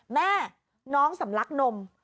แม่น้องสำลักนม